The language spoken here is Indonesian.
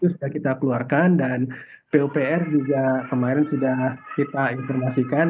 sudah kita keluarkan dan pupr juga kemarin sudah kita informasikan